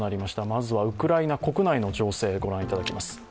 まずはウクライナ国内の情勢、ご覧いただきます。